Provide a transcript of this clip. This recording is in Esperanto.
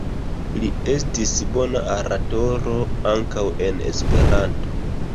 Li estis bona oratoro ankaŭ en Esperanto.